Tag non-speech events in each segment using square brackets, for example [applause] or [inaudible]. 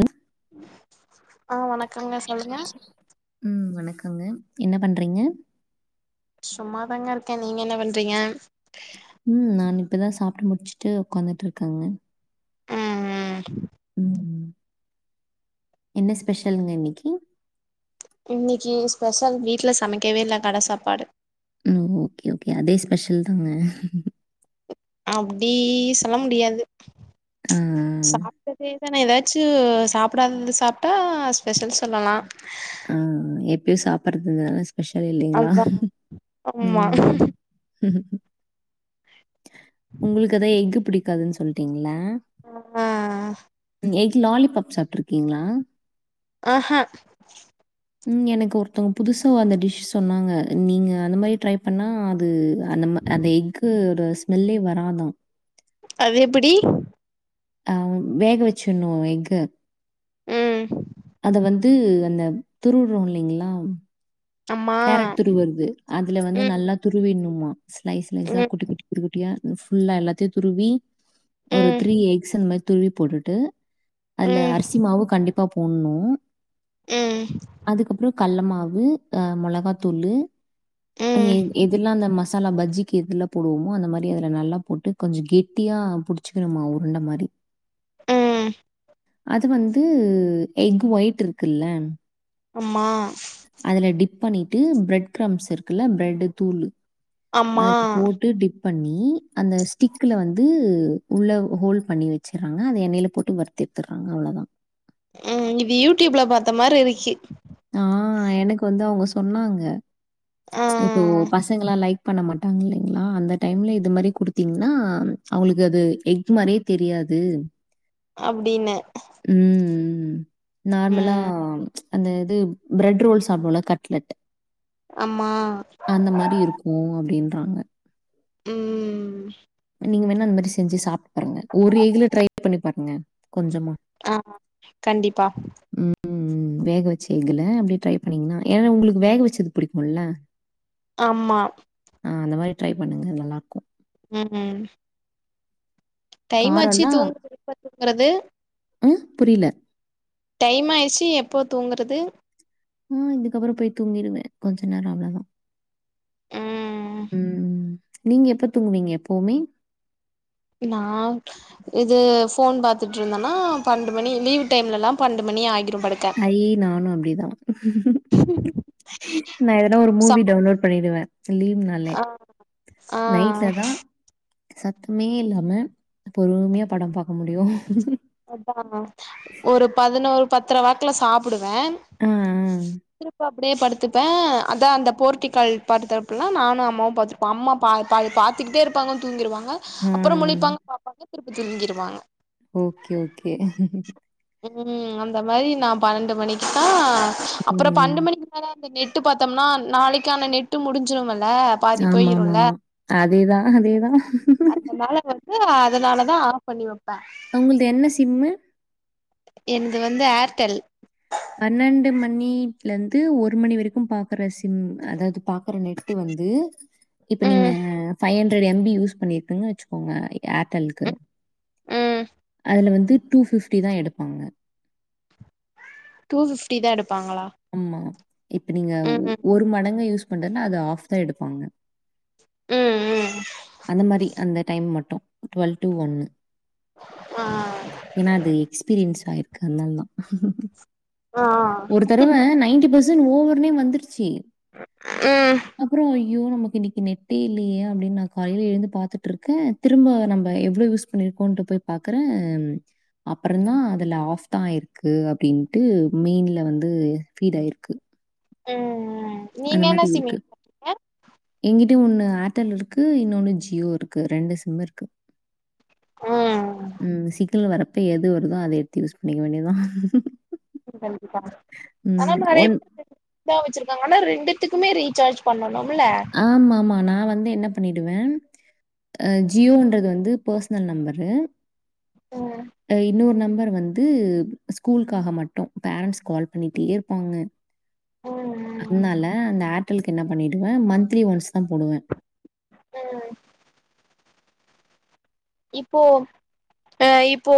அஹ ஆ வணக்கம்ங்க சொல்லுங்க ம் வணக்கங்க என்ன பண்றீங்க சும்மாதாங்க இருக்கே நீங்க என்ன பண்றீங்க ம் நா இப்தா சாப்ட்டு முடிச்சிட்டு ஒக்காந்திட்டு இருக்கங்க ம் ம் ம் என்ன ஸ்பெஷலுங்க இன்னிக்கி இன்னிக்கு ஸ்பெஷல் வீட்ல சமைக்கவே இல்ல கட சாப்பாடு ம் ஓகே ஓகே அதே ஸ்பெஷல் தாங்க அப்டி சொல்ல முடியாது ஆ சாப்ட்டது வேணா ஏதாச்சு சாப்டாதது சாப்ட்டா ஸ்பெஷல் சொல்லலா ஆ எப்யு சாப்பறதுங்க ஸ்பெஷல் இல்லைங்களா அதா ஆமா ம் ம் ஒங்ளுக்கு அத எஃகு பிடிக்காதுன் சொல்டிங்ள ஆ ம் எக் லாலிபப் சாப்ட்ருக்கீங்களா ஆஹ ம் எனக்கு ஒருத்தவங்க புதுசா அந்த டிஷ் சொன்னாங்க நீங்க அந்த மாரி ட்ரை பண்ணா அது அந்த அந்த எஃகு ஓட ஸ்மெல்லே வராதா அது எப்பிடி அ வேக வெச்சிர்னு எஃக ம் அத வந்து ம் அந்த திருவுறோ இல்லைங்களா அம்மா கேரட் துருவறது அதுல வந்து ம் நல்லா துருவிர்ணுமா ஸ்லைஸ் ஸ்லைஸா ம் குட்டி குட் ட்டியா ஃபுல்லா எல்லாத்தையு துருவி ஒரு ம் த்ரீ எக்ஸ் அந்மாரி துருவி போட்டுட்டு அதுல ம் அரிசி மாவு கண்டிப்பா போட்ணு ம் அதுக்கப்றோ கல்ல மாவு அ மொளகாத்தூளு அ ம் எத் எதுலா அந்த ம சாலா பஜ்ஜிக்கு எதுல போடுவோமோ அந்த மாரி அதுல நல்லா போட்டு கொஞ்ச கெட்டியா புடிச்சிக்கணுமா உருண்ட மாரி ம் அது வந்து எக் ஒயிட் இருக்கில்ல அம்மா அதுல டிப் பண்ணிட்டு பிரெட் கிரம்ஸ் இருக்குல்ல பிரெட்டு தூளு அம்மா அதுல போட்டு டிப் பண்ணி அந்த ஸ்டிக்குல வந்து உள்ள ஹோல் பண்ணி வச்சர்றாங்க அத எண்ணெயில போட்டு வர் த்து எத்தர்றாங்க அவ்ளதா ம் இது யூடியூப்ல பாத்த மாரி இருக்கி ஆ எனக்கு வந்து அவங்க சொன்னாங்க இப்போ ஆ பசங்களா லைக் பண்ண மாட்டாங்க இல்லைங்களா அந்த டைம்ல இது மாரி குடுத்தீங்கன்னா அவங்களுக்கு அது எக் மாரியே தெரியாது [inaudible] அப்டின்னு ம் நார்மலா ம் ச் அது அது பிரெட் ரோல் சாப்டுவோல கட்லெட் ஆமா அந்த மாரி இருக்கு அப்டின்றாங்க ம் நீங்க வேணா இந்த மாரி செஞ்சு சாப்ட்டு பாருங்க ஒரு எக் ல ட்ரை பண்ணி பாருங்க கொஞ்சமா ஆ கண்டிப்பா ம் ம் வேக அப்டி ட்ரை பண்ணீங்கன்னா ஏன்னா உங்களுக்கு வேக வச்சது பிடிக்கும்ல்ல ஆமா ஆ அந்த மாரி ட்ரை பண்ணுங்க நல்லா இருக்கு ம் ம் டைம் ஆச்சு காரம்லாம் தூங் [unintelligible] றது ம் புரியல டைம் ஆயிடுச்சு எப்போ தூங்குறது ஆ இதுக்கப்பறோ போய் தூங்கிருவே கொஞ்சோ நேரோ அவ்ளோதா ம் ம் நீங்க எப்ப தூங்குவீங்க எப்பவுமே நா இது ஃபோன் பாத்துட்டு இருந்தேனா பண்னென்டு மணி லீவ் டைம்ல எல்லா பண்னென்டு மணி ஆகிரு படைக்க ஐ நானு அப்டிதா நா எதனா ஒரு சா மூவி டவுன்லோட் பண்ணிடுவே லீவ் நாள் ஆ ஆ நைட்ல தா சத்தமே இல்லாம பொறுமையா படம் பாக்க முடியு அதா ஒரு பதினோரு பத் பத்திர வாக்குல சாப்பிடுவே ஆ, ஆ, அப்டியே படுத்துப்பே அதா அந்த போர்டிகல் பாத்தப் புல்லலா நானு அம்மாவு பாத்துப்பே அம்மா பா பா பாத்துக்கிட்டே இருப்பாங்க தூங்கிடுவாங்க ஆ. அப்றோ முழிப்பாங்க பாப்பாங்க திருப்பி தூங்கிடுவாங்க ஓகே ஓகே ம் அந்த மாதிரி நா பன்னெண்டு மணிக்கு தா அப்றோ ம். பன்னெண்டு மணிக் ற அந்த நெட்டு பாத்தோம்னா நாளைக்கான நெட்டு முடிஞ்சுரும்ல பாதி போயிருல ஆமாமாமா. அதேதான், அதேதான். அதனால அதனால தா ஆப் பண்ணி வப்பே அவங்களது என்ன சிம்மு என்து வந்து ஏர்டெல் பன்னெண்டு மணில இருந்து ஒரு மணி வரைக்கு பாக்குற சிம் அதாவது பாக்குற ந வந்து இப்ப நீங்க ம் ஃபை ஹண்ட்ரட் எம்பி யூஸ் பண்ணிருங்கன்னு வச்சுக்கோங்க ஏர்டெல்கு ம் ம் அதுல வந்து டூ ஃப்டி தா எடுப்பாங்க டூ ஃப்டி தா எடுப்பாங்களா ஆமா இப்ப நீங்க ம் ம் ஒரு மடங்கா யூஸ் பண்றதுனா அது ஆஃப் தா எடுப்பாங்க ம் ம் அந்த மாரி அந்த டைம் மட்டு டுவல்வ் டு ஒன்னு ஆ ஏன்னா அது எக்ஸ்பீரியன்ஸ் ஆயிருக்கு அதனாலதா ஆ ஆ தரவ நைன்டி பர்சன்ட் ஓவர்னே வந்துருச்சு ம் அப்புறோ ஐயோ நமக்கு இன்னைக்கு நெட்டே இல்லையே அப்டின்னு நா காலையில எழுந்து பாத்துட்டு இருக்கே திரும்ப நம்ம எவ்ளோ யூஸ் பண்ணிருக்கோண்டுட்டு போய் பாக்குற அப்புற தா அதுல ஆப் தா இருக்கு அப்டின்ட்டு மெயின்ல வந் து பீட் ஆயிருக்கு ம் ம் நீங்க அந்த என்ன மாரி சிமி இருக்கு பண்ணீங்க எங்கிட்யு ஒன்னு ஏர்டெல் இருக்கு இன்னொன்னு ஜியோ இருக்கு ரெண்டு சிம் இருக்கு ம் ம் சிக்னல் வரப்ப எது வருதோ அதை எடுத்து யூஸ் பண்ணிக்க வேண்டியதா கண்டிப்பா ஆனா நெறைய பேர் ரெண்டா வெச்சிருக்காகல ஆனா ரெண்டுத்துக்குமே ரீசார்ஜ் பண்ணணும்ல ஆமா ஆமா நா வந்து என்ன பண்ணிடுவே அ ஜியோன்றது வந்து பர்சனல் நம்பரு ம் அ இன்னொரு நம்பர் வந்து ஸ்கூலுக்காக மட்டு பேரன்ட்ஸ் கால் பண்ணிட்டே இருப்பாங்க ம் ம் அதனால அந்த ஏர்டெலுக்கு என்ன பண்ணிடுவே மந்த்லி ஒன்ஸ் தா போடுவே ம் இப்போ ஆ இப்போ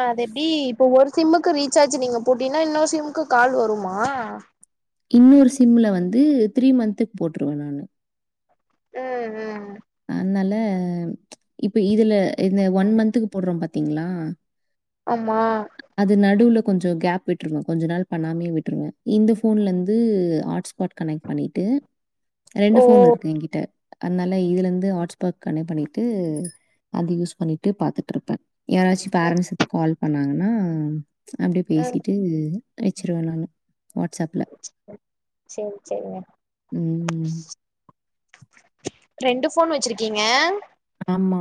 அது எப்டி இப்ப ஒரு சிம்முக்கு ரீசார்ஜ் நீங்க போட்டீங்னா இன்னொரு சிம்முக்கு கால் வருமா இன்னொரு சிம்ல வந்து த்ரீ மந்த்துக்கு போட்டுருவே நானு ம் ம் அதனால இப்ப இதுல இந்த ஒன் மந்த்துக்கு போட்றோ பாத்தீங்ளா ஆமா அது நடுவுல கொஞ்ச கேப் விட்டுருவோ கொஞ்ச நாள் பண்ணாமயே விட்டுருவே இந்த போன்ல இருந்து ஹாட்ஸ்பாட் கனெக்ட் பண்ணிட்டு ரெண்டு ஓ போன் இருக்கு எங்கிட்ட அதனால இதுலருந்து ஹட்ஸ்பார்ட் பண்ணிட்டு அது யூஸ் பண்ணிட்டு பாத்துட்டு இருப்பே யாராச்சு ம் பேரண்ட்ஸ் இப்ப கால் பண்ணாங்கன்னா அப்டியே ம் பேசிட் டு அழிச்சிருவே நானு வாட்ஸ்ஆப்ல சேரி சேரிங்க ம் ம் ரெண்டு போன் வெச்சிருக்கீங்க ஆமா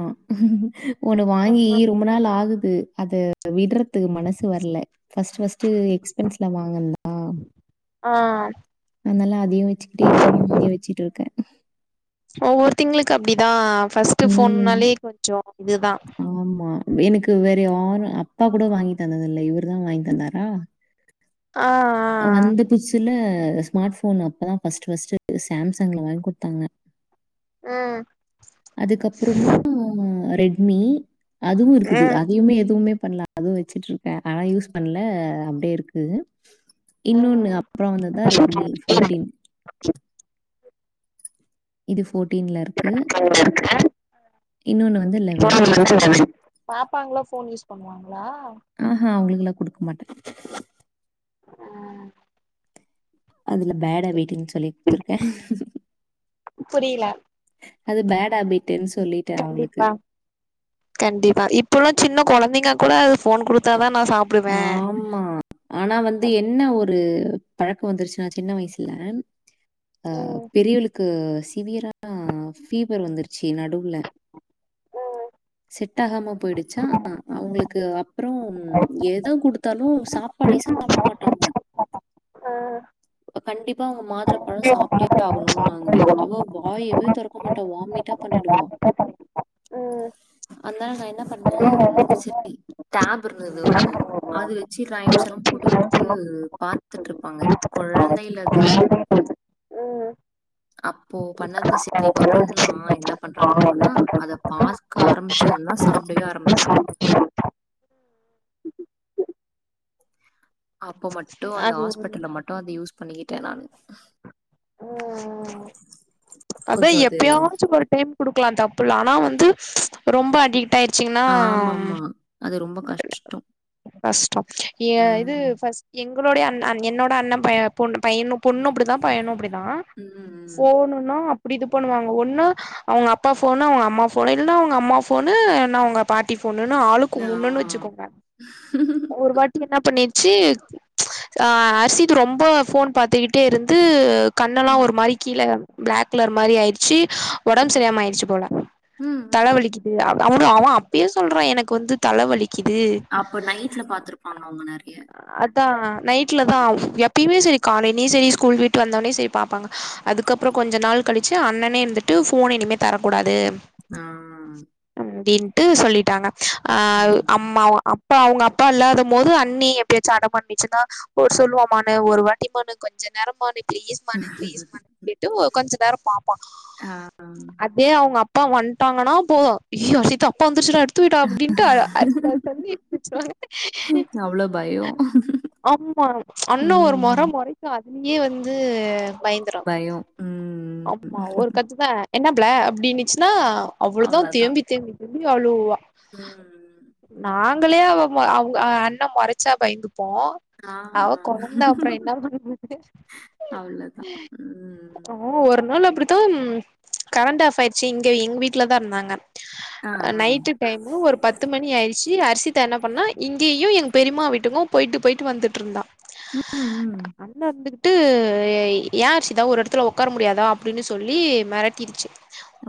ஒன்னு ம் வாங்கி ம் ரொம்ப நாள் ஆகுது அத விட்றதுக்கு மனசு வரல பர்ஸ்ட் பஸ்ட் எக்ஸ்பென்ஸ்ல வாங்கந்தா ஆ அதனால அதயு வெச்சுக்கிட்டு இப்பயு இப்ப வாங்கியது வெச்சுட்டு ருக்கே ஒவ்வொரு திங்களுக்கு அப்டிதா ஃபர்ஸ்ட்டு ம். போனாலே கொஞ்சோ இதுதா ஆமா எனுக்கு வேற யாரு அப்பா கூட வாங்கி தந்தது இல்ல இவரு தா வாங்கி தந்தாரா ஆ வந்த புதுசுல ஸ்மார்ட் போன் அப்பதா ஃபர்ஸ்ட்டு ஃபர்ஸ்ட்டு சாம்சாங்ல வாங்கி குடுத்தாங்க ம் அதுக்கப்புறமா ரெட்மி அதுவு இருக்குது அதையுமே எதுவுமே பண்ல அதுவு வெச்சுட்டு ருக்கே ஆனா யூஸ் பண்ல அப்டியே இருக்கு இன்னொன்னு ம் அப்புற வந்ததுதா ரெட்மி ஃபோட்டீன் இது ஃபோட்டீன்ல இருக்கு இன்னொன்னு வந்து [unintelligible] பாப்பாங்களா போன் யூஸ் பண்ணுவாங்களா ஆ ஆ அவங்களுக்கெல்லா குடுக்க மாட்டே ம் அதுல்லா பேட் ஹாபிட்னு சொல்லி குடுத்துருக்கே புரியல அது பேட் ஹாபிட்டுன்னு சொல்லி கண்டிப்பா கண்டிப்பா இப்பல்லா சின்ன கொழந்தைங்க கூட அது போன் குடுத்தாதா நா சாப் ஆமா ஆனா வந்து என்ன ஒரு பழக்க வந்துருச்சுனா சின்ன வயசுல அ ம் ம் பெரியவளுக்கு சிவியரான பீவர் வந்துருக்கு சி நடுவுல செட் டாகாம போயிடுச்சா அவங்களுக்கு அப்புறோ எத குடுத்தாலு சாப்பாடே சாப்ட மாட்டாங்க கண்டிப்பா அவங்க மாதுள பழோ சாப்டே ஆகனு ணுன்நாங்க அவ வாயவே தொறக்க மாட்டா வாமிட்டா பண்ணிடுவா ம் அதனால நா என்ன பண்ணே செரி டேப் இருந்தது ஒன் அது வெச்சு ரைம்சலா போட்டு குடுத்து பாத்துட்டு இருப்பாங்க கொழந்தையில கொழந்தைய பாத்து அப்போ பண்ணது செரி இப்ப பண்ணலா என்ன பண்றான்னு பாக்கலன்னா அத பாத் காரம்மிச்சதுதா சாப்டவே ஆரம்பிச்சா அப்போ மட்டு அந்த அது ஒரு ஹாஸ்பிட்டல்ல மட்டு அத யூஸ் பண்ணிக்கிட்டே நானு ம் [unintelligible] அதா அது எப்பயாச்சு ஒரு டைம் குடுக்கலா தப்புல ஆனா வந்து ரொம்ப அடிக்ட் டாயிருச்சிங்கனா ஆமாமா. அது ரொம்ப கஷ்டம். கஷ்டம் ஏ இது ம். எங்களுடைய அண்‌ என்னோட அண்ண பைய பொண் பையனு பொண்ணு அப்டிதா பையனு அப்டிதா உம் உம் போனுன்னா அப்படி இது பண்ணுவாங்க ஒன்னு அவங்க அப்பா போனு அவங்க அம்மா போனு இல்லன்னா அவங்க அம்மா போனு இன்னா பாட்டி போன்னுனு ஆளுக்கு ஆ. கும்புடுனூனு வெச்சுக்கோங்க ஒரு வாட்டி என்ன பண்ணிருச்சு அ அரிஷித் ரொம்போ போன் பாத்துக்கிட்டே இருந்து ஆ. கண்ணெல்லா ஒரு மாறி கீழ பிளாக் கலர் மாரி ஆயிடுச்சு ஒடம்பு ம். சரில்லாம ஆயிடுச்சு போல ம். தல ம். வலிக்குது அவனு அவ அப்பயு சொல்றா எனக்கு வந்து தல வலி க்கிது அப்ப நைட்ல பார்த்துருப்பாங்க அவங்க நெறைய. அதா நைட்ல தா ம். எப் இப்பியுமே செரி காலைலயு செரி ஸ்கூல் விட்டு வந்தோனே செரி பாப்பாங்க அதுக்கப்பறோ கொஞ்சு நாள்கழிச்சு அண்ணனே இருந்துட்டு ட்டு போன் இனிமே தரக்கூடாது ஆ அப்டின்ட்டு சொல்லிட்டாங்க அ ம். அம்மாவ அப் இப்ப அவங்க அப்பா இல்லாத போது அண்ணி எப்டியாச்சு அடம் பண்ணிச்சுனா ஒரு சொல்வ மான்னு ஒரு வாட்டி மான்னு கொஞ்சு நேரமா பிளீஸ் மா பிளீஸ் மா னூ கொஞ்சு நேரோ பாப்பா ஆ. அதே அவங்க அ அப்பா வந்ட்டாங்கன்னா போ அய்யியோ அர்ஷித்தா அப்பா வந்துர்ச்சுடா எடுத்து வைடா அப்டின் ட்டா அர்ஷிதா டக் டக்னு எடுத்து வெச்சிருவாங்க அவ்ளோ பயம். ஆமா அண்ணா ஒரு மொற ம். மொறைக்கு அங்யே வந்து பயந் துரு பயம். ம். ஆமா ஒரு கத்து புள்ள என்ன புள்ள அப்டினிச்னா அவ்வளோதா அவ்ளோதான். தேம்பி தேம்பி தேம்பி அழுவா ம் நாங்களே அவ மொ அவுங்க அ அண்ண மொறச்சா பயந்துப்போ ஆ, அவ ஆ. கொழந்த அப்றோ என்னா பண்றது அவ்ளோதான். ம். ஓ ஒரு நாள் அப்பிடித்தா கரண்ட் ஆஃப் ஆயிட்ச்சி இங்க எங் வீட்ல தா இர்ந்தாங்க ஆ, அ ஆ. நைட்டு டைமு ஒரு பத் து மணி ஆயிர்ச்சி அர்ஷிதா‌ என்ன பண்ணா இங்கியு எங்க பெரியம்மா வீட்டுக்கு போய்ட்டு போய்ட்டு வந்துட்ருந்தா ம். ம். அண்ணா இருந்துகிட்டு ஏய் ஏ அர்ஷிதா ஒரு எடத்துல ஒக்கார முடியாதா அப்டினு சொல்லி மெரட்டிடுச்சு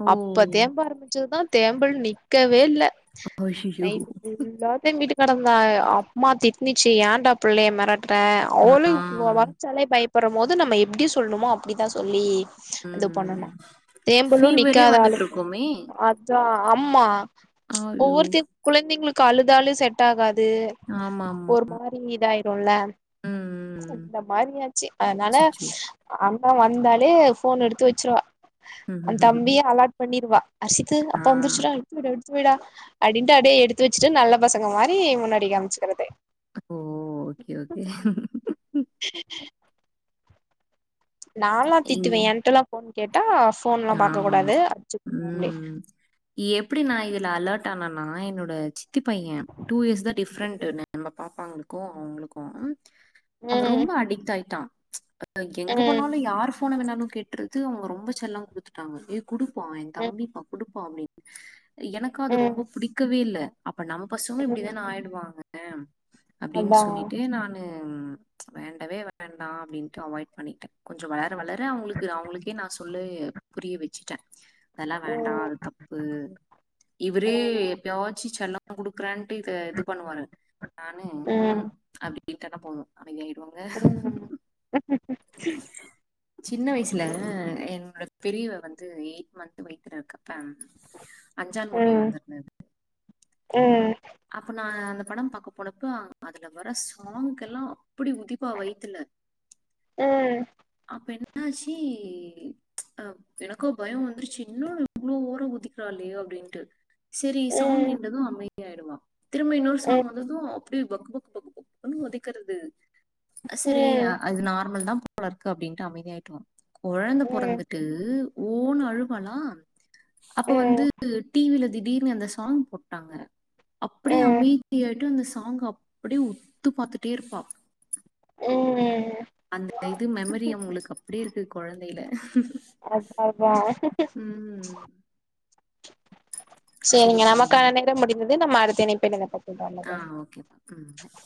ஓ! அப்ப தேம்ப ஆரம்பிச்சதுதா தேம்பல் நிக்கவே இல்ல ஐயிய்யோ [inaudible] நேரோ தேம்பிட்டு கெடந்தா அம்மா திட்னிச்சு ஏன்டா புள்ளைய மெரட் ற ஆ அவளே வொ மொறச்சாலே பயப்பட்ற போது நம்ம எப்டி சொல்ணுமோ அப்டிதா சொல்லி இது ம் பண்ணனு தேம்பலு ஃபீவரே நிக்காதளவுக் வந்துட்ருக்குமே. அப் ச்சா ஆம்மா ஆயோ! ஒவ்வொருத்த குழந்தைங்களுக்கு அழுதாலு செட்டாகாது ஆமாமா. ஒரு மாரி இதாய்ருல்ல ம் ம். இந்த மாரி ஆச்சு அத்னால அச்சச்சோ! அண்ண வந்தாலே ஃபோன் எடுத்து வெச்சிருவா அவ தம்பியே அலாட் பண்ணிருவா அர்ஷித்து ஆ. அப்பா வந்துருச்சுடா எடுத்து வைடா எடுத்து வைடா டின்ட்டு அப்டே எடுத்து வெச்சுட்டு நல்ல பசங்க மாரி முன்னாடி காம்ச்சுக்கறது ஓ ஓகே ஓகே [inaudible] நால்லா இங்க திட்டுவே என்ட்டல்லா ஃபோன் கேட்டா ஃபோன்லா பாக்க ஆமாமா. கூடாது அடிச்சுட்ருவன்ட்டு ம். எப்டி நா இதுல அலர்ட் ஆனன்னா என்னோட சித்தி பைய டூ இயர்ஸ் தா டிஃப்ரெண்ட்டு நம்ம பாப்பாங்களுக்கு அவுங்களுக்கு ம் அவ ம் ரொம்ப அடிக்ட் ஆய்ட்டா அ எங்க போனாலு ம் யார் ஃபோன வேணாலு கேட்ருக் து அவுங்க ரொம்ப செல்லோ குடுத்துட்டாங்க ஏ குடுப்பா எ ம் தம்பிப்பா குடுப்பா அப்படின்னு அப்டின் எனக்கு அது ரொம்ப ம் புடிக்கவே இல்ல அப்ப நம்ம பசங்க இப்டிதான ம் ஆய்டுவாங்க அப்டின் அதா சொல்லிட்டு நானு வேண்டவே வேண்டா அப்டின்ட்டு அவாய்ட் பண்ணிட்டே கொஞ்ச வளர வளர அவுங்களுக்கு அவுங்களுக்கே நா சொல்லி புரிய வெச்சுட்டே அதெல்லா வேண்டா ம் அது தப்பு இவுரு எப்பயாச்சு செல்லோ குடுக்றேன்ட்டு இத இது பண்ணுவாரு நானு ம் அப்டின்ட்டனா போது அமைதி ஆய்ருவாங்க ம் ம் சின்ன வய்சுல என்னோட பெரியவ வந்து எய்ட் மன்த்து வய்த்துல இருக்கப்ப அஞ்சான் மூவி ம் வந்துர்ந்துது ம் அப்ப நா அந்த படம் பாக்க போனப்ப அதுல வர சாங்க்கு எல்லா அப்பிடி குதி ப்பா வய்த்துல ம் அப்ப என்னாச்சி அ எனக்கோ பயம் வந்துருச்சு என்னடா இவ்ளோ ஓரோ குதிக்றாளே அப்டின்ட்டு செரி சாங் ம் நின்டது அமைதியாய்டுவா திரும்ப இன்னோர் சாங் வந்தது ப்டே பக்கு பக்கு பக்கு பக்குனு ஒதக்கறது ம் போலருக்கு அப்டின்ட்டு அமைதியாயிட்ருவம் கொழந்த பொறந்துட்டு ஓண்ணு அழுவாலா அப்ப வந்து ம் டிவில திடீர்னு அந்த சாங் போட்டாங்க அப்படியே ம் அமைதியாயிட்டு அந்த சாங் அப்படியே உத்து பாத்துட்டே இருப்பா ம் அந்த இது மெமரி அவுங்களுக்கு அப்டி இருக்கு கொழந்தல அத் அதா ம் செரிங்க சரிப்பா நம்ம நமக்கான நேரம் முடிந்தது நம்ம அடுத்த இணைப்பில் [unintelligible] ஆ ஓகே ம் பாய்